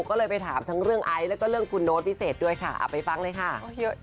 ก็เลยไปถามทั้งเรื่องไอซ์แล้วก็เรื่องคุณโน้ตพิเศษด้วยค่ะเอาไปฟังเลยค่ะ